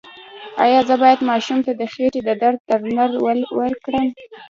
ایا زه باید ماشوم ته د خېټې د درد درمل ورکړم؟